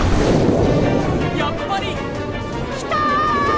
やっぱり！来た！